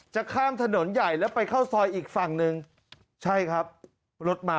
จะข้ามถนนใหญ่แล้วไปเข้าซอยอีกฝั่งหนึ่งใช่ครับรถมา